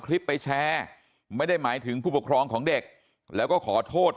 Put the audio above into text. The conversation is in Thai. คลิปไปแชร์ไม่ได้หมายถึงผู้ปกครองของเด็กแล้วก็ขอโทษ